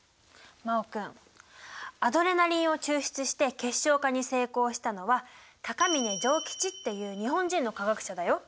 真旺君アドレナリンを抽出して結晶化に成功したのは高峰譲吉っていう日本人の化学者だよ。